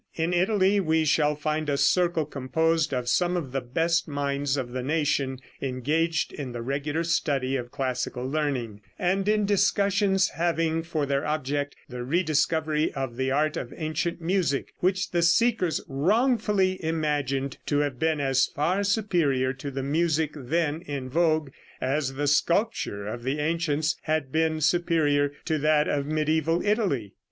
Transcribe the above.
In Italy we shall find a circle composed of some of the best minds of the nation engaged in the regular study of classical learning, and in discussions having for their object the re discovery of the art of ancient music, which the seekers wrongfully imagined to have been as far superior to the music then in vogue as the sculpture of the ancients had been superior to that of mediæval Italy.